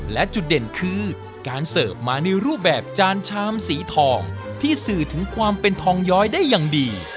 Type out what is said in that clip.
และจุดเด่นคือการเสิร์ฟมาในรูปแบบจานชามสีทองที่สื่อถึงความเป็นทองย้อยได้อย่างดี